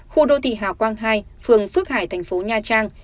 khu đô thị hà quang hai phường phước hải thành phố nha trang